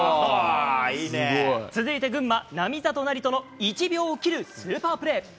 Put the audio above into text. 続いて群馬、並里成の１秒を切るスーパープレー。